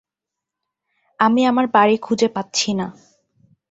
আমি আমার বাড়ি খুঁজে পাচ্ছি না।